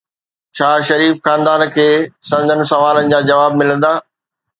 ڇا شريف خاندان کي سندن سوالن جا جواب ملندا؟